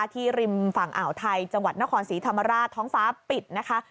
ริมฝั่งอ่าวไทยจังหวัดนครศรีธรรมราชท้องฟ้าปิดนะคะ